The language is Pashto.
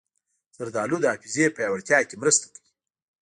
زردالو د حافظې پیاوړتیا کې مرسته کوي.